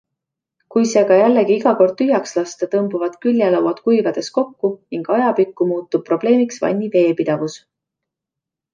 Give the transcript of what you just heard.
Kui see aga jällegi iga kord tühjaks lasta, tõmbuvad küljelauad kuivades kokku ning ajapikku muutub probleemiks vanni veepidavus.